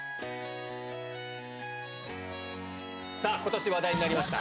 さあ、ことし話題になりました